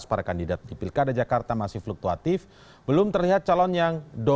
perbedaan hasil survei yang dilakukan sejumlah lembaga